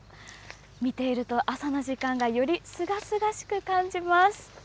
見ていると朝の時間がよりすがすがしく感じます。